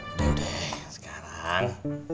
udah deh sekarang